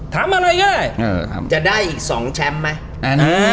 ทำอะไรก็ได้จะได้อีก๒แชมป์ไหม